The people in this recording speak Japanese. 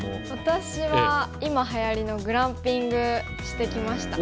私は今はやりのグランピングしてきました。